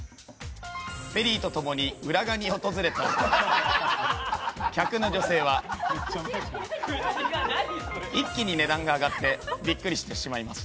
ペリーと共に浦賀に訪れた客の女性は一気に値段が上がってびっくりしてしまいます